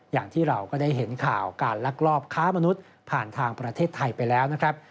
อย่างที่เราก็ได้เห็นข่าวการลักลอบค้ามนุษย์ผ่านทางประเทศไทยไปแล้วนะครับ